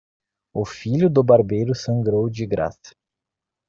O filho do barbeiro sangrou de graça.